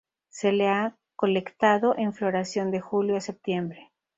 Se le ha colectado en floración de julio a septiembre.